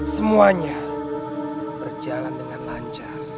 semuanya berjalan dengan lancar